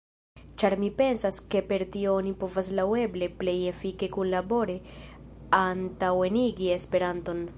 Ĉar mi pensas ke per tio oni povas laŭeble plej efike kunlabore antaŭenigi esperanton.